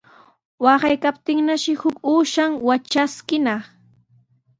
Waqaykaptinnashi huk uushan watraskinaq.